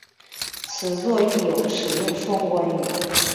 此作亦有使用双关语。